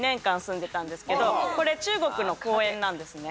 これ中国の公園なんですね。